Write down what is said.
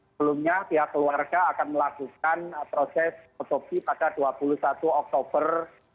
sebelumnya pihak keluarga akan melakukan proses otopsi pada dua puluh satu oktober dua ribu dua puluh